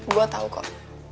gue tau kok